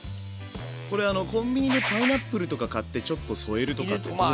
これあのコンビニでパイナップルとか買ってちょっと添えるとかってどうなの？